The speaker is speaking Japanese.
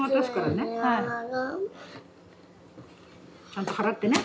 ちゃんと払ってね。